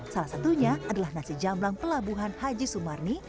salah satunya adalah nasi jamblang pelabuhan haji sumarni